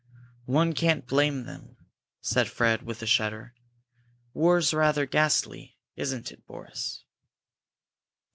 "One can't blame them," said Fred, with a shudder. "War's rather ghastly, isn't it, Boris?"